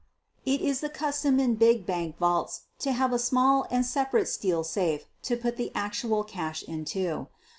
' It is the custom in big bank vaults to have a small and separate steel safe to put the actual cash into.